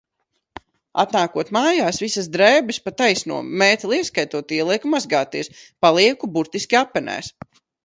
Atnākot mājās, visas drēbes pa taisno, mēteli ieskaitot, ielieku mazgāties, palieku burtiski apenēs.